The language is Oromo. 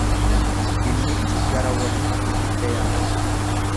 Dinnichi gara waliitti hidda yaafti.